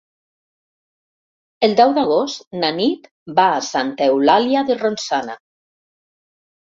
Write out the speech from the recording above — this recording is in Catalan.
El deu d'agost na Nit va a Santa Eulàlia de Ronçana.